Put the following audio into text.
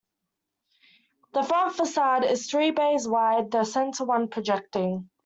The front facade is three bays wide, the center one projecting.